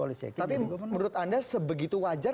ali sadiqin jadi gubernur tapi menurut anda sebegitu wajar